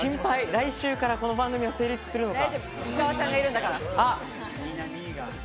来週からこの番組が成立するのか。